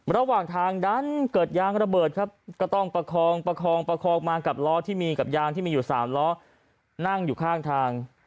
ระหว่างทางดันเกิดยางระเบิดครับก็ต้องประคองประคองประคองมากับล้อที่มีกับยางที่มีอยู่๓ล้อนั่งอยู่ข้างทาง